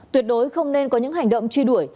tuyệt đối không nên có những hành động truy đuổi